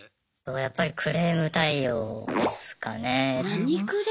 やっぱりクレーム対応ですかね。